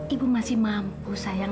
ibu masih mampu sayang